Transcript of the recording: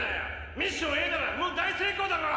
⁉ミッションＡならもう大成功だろ！！